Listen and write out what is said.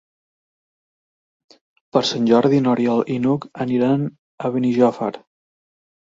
Per Sant Jordi n'Oriol i n'Hug aniran a Benijòfar.